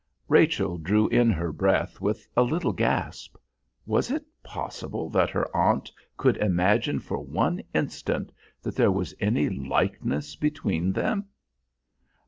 Rachel drew in her breath with a little gasp. Was it possible that her aunt could imagine for one instant that there was any likeness between them?